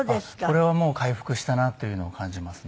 これはもう回復したなというのを感じますね。